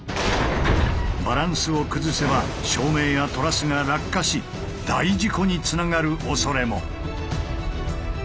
バランスを崩せば照明やトラスが落下し大事故につながるおそれも。